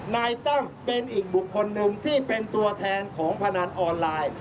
นายตั้มเป็นอีกบุคคลหนึ่งที่เป็นตัวแทนของพนันออนไลน์